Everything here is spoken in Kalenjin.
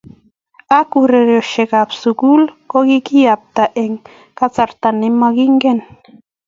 ak ureriosiekab sukul ko kikiyapta eng kasarta nemokingen